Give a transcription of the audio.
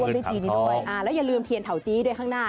แล้วอย่าลืมเทียนเถาจี้ด้วยข้างหน้า